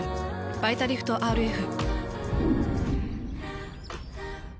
「バイタリフトＲＦ」。